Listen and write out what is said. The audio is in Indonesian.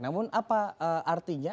namun apa artinya